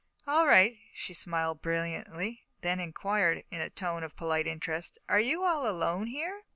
"All right." She smiled brilliantly, then inquired, in a tone of polite interest, "Are you all alone here?"